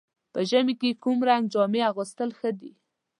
په ژمي کې کوم رنګ جامې اغوستل ښه دي؟